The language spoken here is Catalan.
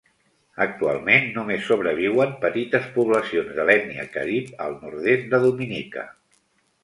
Actualment només sobreviuen petites poblacions de l'ètnia carib al nord-est de Dominica.